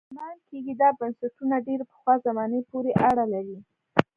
ګومان کېږي دا بنسټونه ډېرې پخوا زمانې پورې اړه لري.